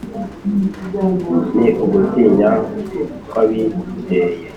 ni ugutinya kwabiteye?